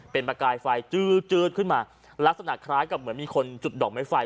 เป็นประกายไฟจืดขึ้นมาลักษณะคล้ายกับเหมือนมีคนจุดดอกไม้ไฟ